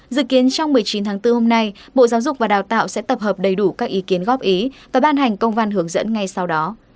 dự kiến trong một mươi chín tháng bốn hôm nay bộ giáo dục và đào tạo sẽ tập hợp đầy đủ các ý kiến góp ý và ban hành công văn hướng dẫn ngay sau đó